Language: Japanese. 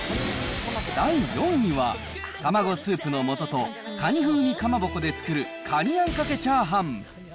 第４位は、卵スープのもとと、カニ風味かまぼこで作るカニあんかけチャーハン。